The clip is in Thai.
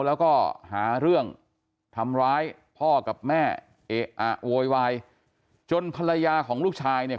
แล้วก็หาเรื่องทำร้ายพ่อกับแม่เอ๊ะอ่ะโวยวายจนภรรยาของลูกชายเนี่ย